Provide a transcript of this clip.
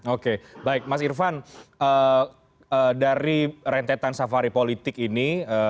oke baik mas irvan dari rentetan safari politik ini